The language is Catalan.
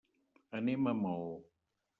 Anem a Maó.